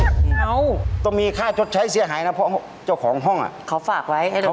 เขาต้องมีค่าชดใช้เสียหายนะเพราะเจ้าของห้องอ่ะเขาฝากไว้ให้เรา